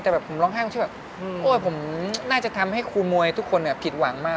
แต่แบบผมร้องไห้แบบโอ๊ยผมน่าจะทำให้ครูมวยทุกคนผิดหวังมาก